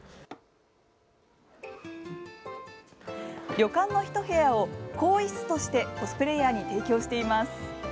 旅館のひと部屋を更衣室としてコスプレイヤーに提供しています。